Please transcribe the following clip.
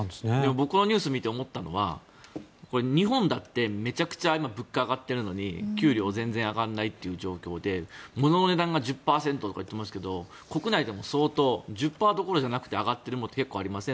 僕がニュースを見て思ったのは日本だってめちゃくちゃ今物価上がっているのに給料全然上がらないという状況で物の値段が１０％とか言ってますけど国内でも相当１０％どころじゃなくて上がってるものって結構ありません？